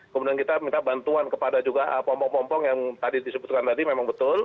kemudian kita minta bantuan kepada juga pompong pompong yang tadi disebutkan tadi memang betul